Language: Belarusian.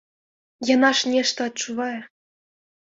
Яна ж нешта адчувае.